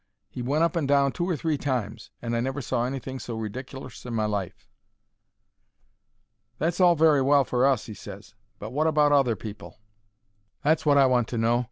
He went up and down two or three times, and I never saw anything so ridikerlous in my life. "That's all very well for us," he ses; "but wot about other people? That's wot I want to know.